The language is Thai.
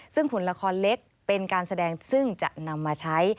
ซึ่งหุ่นละครเล็กเป็นการแสดงซึ่งจะนำมาใช้